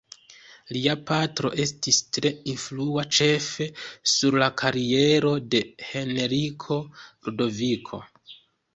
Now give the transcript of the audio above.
Lia patro estis tre influa ĉefe sur la kariero de Henriko Ludoviko.